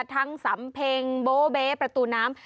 ทั้งสัมเพ็งโบเบประตูน้ำ